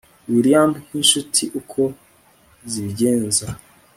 william nkinshuti uko zibigenza